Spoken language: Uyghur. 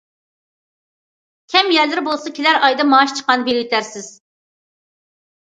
كەم يەرلىرى بولسا كېلەر ئايدا مائاش چىققاندا بېرىۋېتەرسىز.